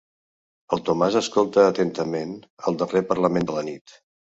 El Tomàs escolta atentament el darrer parlament de la nit.